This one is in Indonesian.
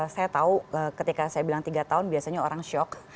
saya tahu ketika saya bilang tiga tahun biasanya orang shock